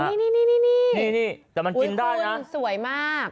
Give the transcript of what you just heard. นี่นี่นี่นี่นี่นี่นี่นี่แต่มันกินได้นะสวยมาก